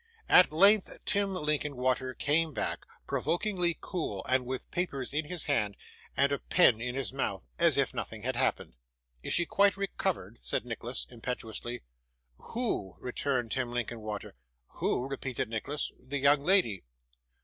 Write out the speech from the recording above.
At length Tim Linkinwater came back provokingly cool, and with papers in his hand, and a pen in his mouth, as if nothing had happened. 'Is she quite recovered?' said Nicholas, impetuously. 'Who?' returned Tim Linkinwater. 'Who!' repeated Nicholas. 'The young lady.